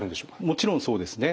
もちろんそうですね。